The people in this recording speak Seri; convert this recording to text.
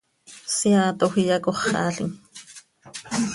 Seaatoj iyacóxalim.